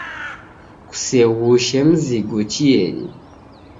Kuseghushe mzigo chieni.